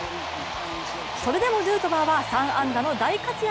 それでもヌートバーは３安打の大活躍。